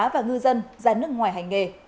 và ngư dân ra nước ngoài hành nghề